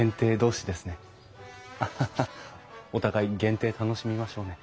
お互い限定楽しみましょうね。